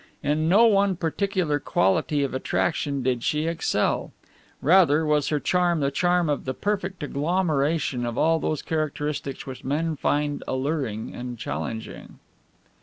In no one particular quality of attraction did she excel. Rather was her charm the charm of the perfect agglomeration of all those characteristics which men find alluring and challenging.